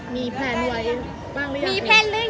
มีแปลนไหม